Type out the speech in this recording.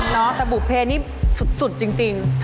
แต่บุภเพนี่สุดจริง